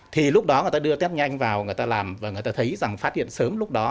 thì lúc đó người ta đưa test nhanh vào người ta làm và người ta thấy rằng phát hiện sớm lúc đó